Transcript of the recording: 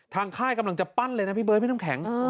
ค่ายกำลังจะปั้นเลยนะพี่เบิร์ดพี่น้ำแข็ง